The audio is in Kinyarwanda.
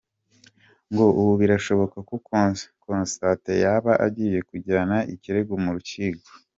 Ngo ubu birashoboka ko Constante yaba agiye kujyana ikirego mu rukiko.